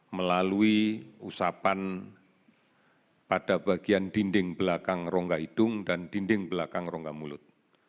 melalui usapan pada bagian dinding belakang rongga hidung dan dinding belakang rongga mulut